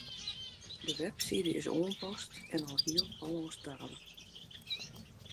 De webside is oanpast en alhiel Hollânsktalich